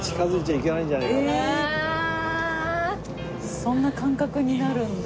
そんな感覚になるんだ。